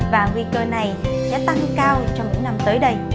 và nguy cơ này sẽ tăng cao trong những năm tới đây